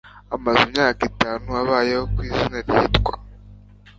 Amaze imyaka itanu abayeho ku izina ryitwa.